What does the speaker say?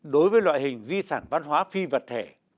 đối với loại hình di sản văn hóa phi vật thể